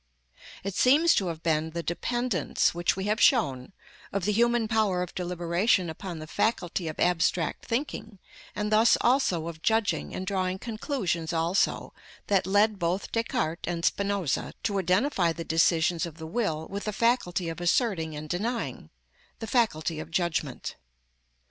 It seems to have been the dependence, which we have shown, of the human power of deliberation upon the faculty of abstract thinking, and thus also of judging and drawing conclusions also, that led both Descartes and Spinoza to identify the decisions of the will with the faculty of asserting and denying (the faculty of judgment).